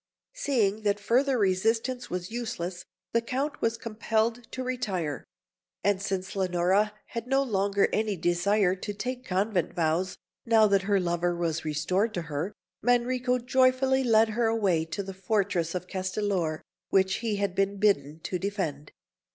Seeing that further resistance was useless, the Count was compelled to retire; and since Leonora had no longer any desire to take convent vows, now that her lover was restored to her, Manrico joyfully led her away to the fortress of Castellor which he had been bidden to defend.